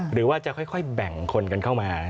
หรือว่าจะค่อยแบ่งคนกันเข้ามา